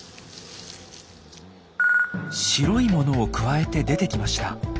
白いものをくわえて出てきました。